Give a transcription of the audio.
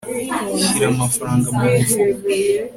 shyira amafaranga mu mufuka